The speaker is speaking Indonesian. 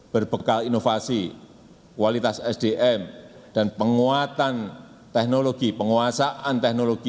berbekal inovasi kualitas sdm dan penguatan teknologi penguasaan teknologi